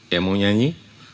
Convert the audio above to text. yang mau nyanyi